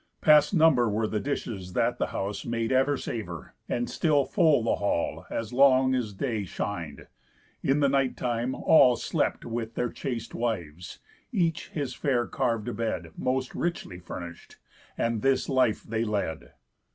Past number were the dishes that the house Made ever savour; and still full the hall As long as day shin'd; in the night time, all Slept with their chaste wives, each his fair carv'd bed Most richly furnish'd; and this life they led.